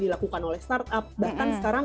dilakukan oleh startup bahkan sekarang